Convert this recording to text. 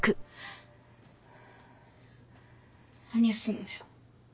何すんだよ。